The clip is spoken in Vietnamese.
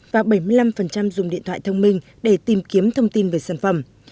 và bảy mươi năm dùng điện thoại thông minh để tìm kiếm thông tin về sản phẩm